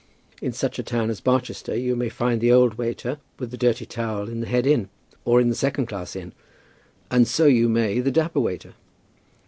In such a town as Barchester you may find the old waiter with the dirty towel in the head inn, or in the second class inn, and so you may the dapper waiter.